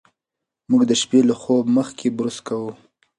موږ د شپې له خوب مخکې برس کوو.